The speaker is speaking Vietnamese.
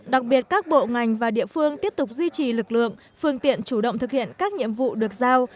đặc biệt các bộ ngành và địa phương tiếp tục duy trì lực lượng phương tiện chủ động thực hiện các nhiệm vụ được giao